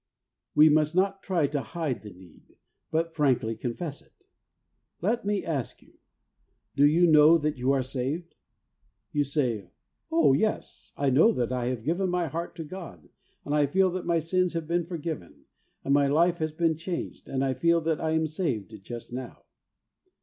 We must not try to hide the need, but frankly confess it. Let me ask you, do you know that you are saved? You say, 'Oh, yes, I know that I have given my heart to God, and I feel that my sins have been for given and my life has been changed, and I feel that I am saved just now.